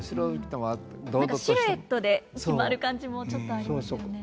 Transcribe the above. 何かシルエットで決まる感じもちょっとありますよね。